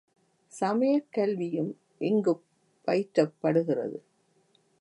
சமயக் கல்வியும் இங்குப் பயிற்றப்படுகிறது.